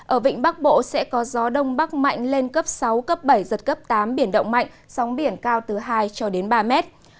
ở vịnh bắc bộ sẽ có gió đông bắc mạnh lên cấp sáu cấp bảy giật cấp tám biển động mạnh sóng biển cao từ hai cho đến ba mét